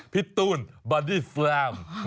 พี่ตูนบรรดีซลัม